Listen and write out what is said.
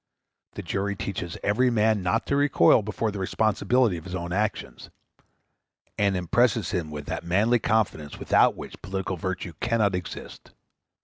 The jury teaches every man not to recoil before the responsibility of his own actions, and impresses him with that manly confidence without which political virtue cannot exist.